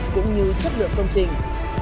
cũng như chất lượng công trình